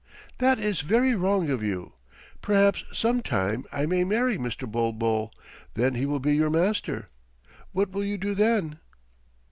"That is very wrong of you. Perhaps sometime I may marry Mr. Bulbul. Then he will be your master. What will you do then?"